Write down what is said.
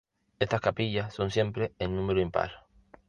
Estas capillas son siempre en número impar.